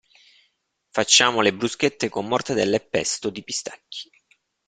Facciamo le bruschette con mortadella e pesto di pistacchi?